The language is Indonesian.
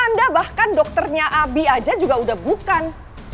anda bahkan dokternya abi aja juga udah bukan